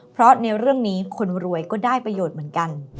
เพราะในเรื่องนี้คนรวยก็ได้ประโยชน์เหมือนกัน